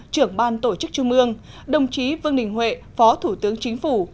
trưởng ban tổ chức trung ương đồng chí vương đình huệ phó thủ tướng chính phủ